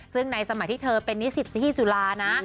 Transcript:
ซึ่งในสมัยที่เธอเป็นนิสิตที่จุฬานะ